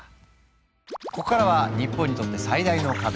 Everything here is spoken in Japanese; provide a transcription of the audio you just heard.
ここからは日本にとって最大の壁